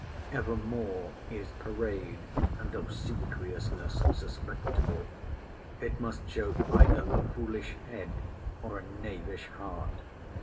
Evermore is parade and obsequiousness suspectable: it must show either a foolish head, or a knavish heart.